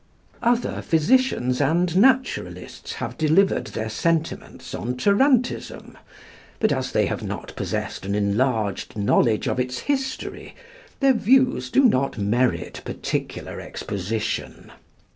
Other physicians and naturalists have delivered their sentiments on tarantism, but as they have not possessed an enlarged knowledge of its history their views do not merit particular exposition.